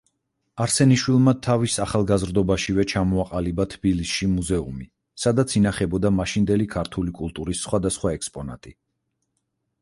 არსენიშვილმა თავის ახალგაზრდობაშივე ჩამოაყალიბა თბილისში მუზეუმი, სადაც ინახებოდა მაშინდელი ქართული კულტურის სხვადასხვა ექსპონატი.